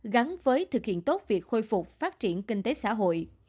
gắn với thực hiện tốt việc khôi phục phát triển kinh tế xã hội